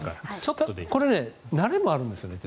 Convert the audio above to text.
これ慣れもあるんですよね。